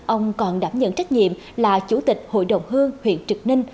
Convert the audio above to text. ông còn đảm nhận trách nhiệm là chủ tịch hội đồng hương huyện trực ninh